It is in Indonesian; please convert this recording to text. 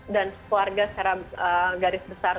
dan keluarga secara garis besar ya